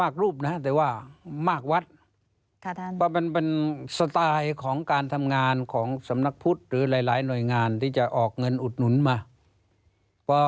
การทำงานของสำนักพุทธหรือหลายหน่วยงานที่จะออกเงินอุดหนุนมา